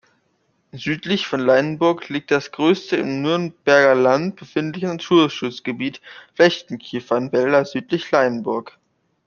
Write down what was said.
Südlich von Leinburg liegt das größte im Nürnberger Land befindliche Naturschutzgebiet Flechten-Kiefernwälder südlich Leinburg.